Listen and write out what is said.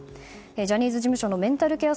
ジャニーズ事務所のメンタルケア